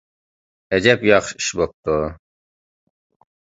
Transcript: ئەجەب ياخشى ئىش بوپتۇ!